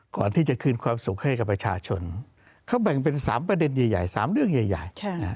ก่อนที่จะคืนความสุขให้กับประชาชนเขาแบ่งเป็น๓ประเด็นใหญ่๓เรื่องใหญ่